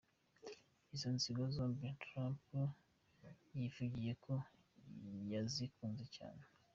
Inzo ngingo zombi Trump yivugiye ko yazikunze cyane!